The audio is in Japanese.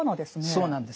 そうなんですね。